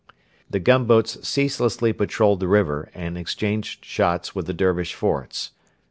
The gunboats ceaselessly patrolled the river, and exchanged shots with the Dervish forts.